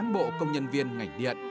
và các bộ công nhân viên ngành điện